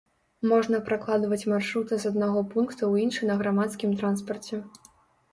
Можна пракладваць маршруты з аднаго пункта ў іншы на грамадскім транспарце.